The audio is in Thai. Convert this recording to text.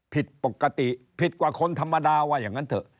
ผิดปกติผิดกว่าคนธรรมดาว่าอย่างนั้นเถอะ